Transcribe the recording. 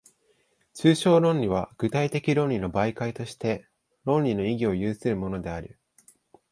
抽象論理は具体的論理の媒介として、論理の意義を有するのである。